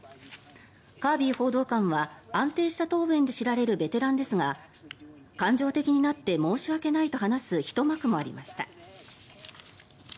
カービー報道官は安定した答弁で知られるベテランですが感情的になって申し訳ないと話すひと幕もありました。